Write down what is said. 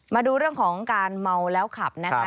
มาดูเรื่องของการเมาแล้วขับนะคะ